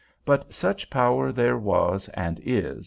But such power there was and is.